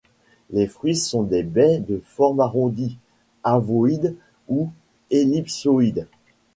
Les fruits sont des baies de forme arrondie, ovoïde ou ellipsoïde.